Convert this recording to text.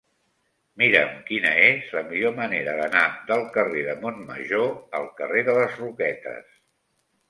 Mira'm quina és la millor manera d'anar del carrer de Montmajor al carrer de les Roquetes.